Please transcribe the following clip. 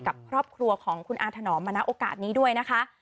กับครอบครัวของคุณอาถนอมมาณโอกาสนี้ด้วยนะคะ